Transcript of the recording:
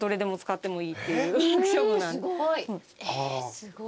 すごい。